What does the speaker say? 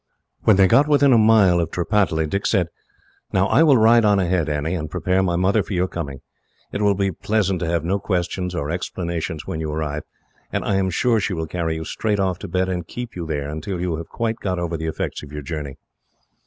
When they got within a mile of Tripataly, Dick said: "Now I will ride on ahead, Annie, and prepare my mother for your coming. It will be pleasant to have no questions or explanations when you arrive, and I am sure she will carry you straight off to bed, and keep you there, until you have quite got over the effects of your journey."